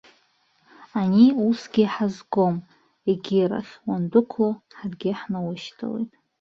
Ани усгьы иҳазгом, егьирахь, уандәықәло ҳаргьы ҳнаушьҭалоит!